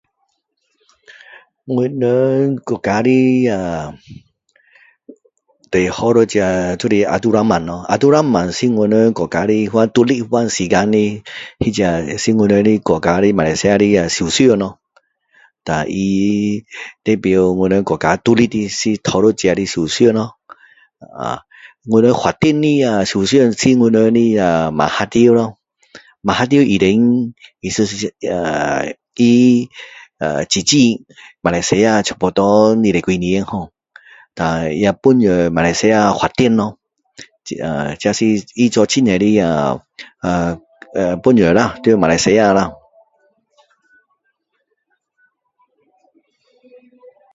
我们国家里那最好的那个就是Abdul rahman 咯Abdul Rahman 是我们国家的独立的那个时候里那个是我们的国家马来西亚首相然后他代表我们的国家独立一个首相咯我们发展的那个首相是我们的那个Mahathir 咯Mahathir 医生也是一个他呃尽责马来西亚差不多二十多年hor 然后也帮助马来西亚发展lor 这这就是很多那个呃呃帮助啦在马来西亚啦